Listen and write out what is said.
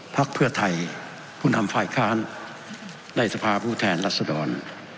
พักเพื่อไทยผู้นำฝ่ายค้านในสภาพผู้แทนรัศดร